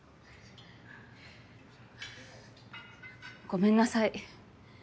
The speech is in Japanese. ごめんなさい。